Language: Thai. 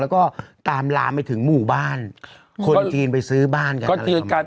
ก็ต้องเสียหน่อย